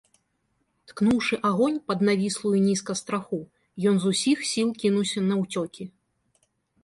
Ткнуўшы агонь пад навіслую нізка страху, ён з усіх сіл кінуўся наўцёкі.